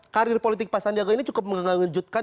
karir politik pak sandiaga ini cukup mengejutkan